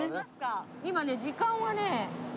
今ね時間はね。